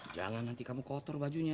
jangan nanti kamu kotor bajunya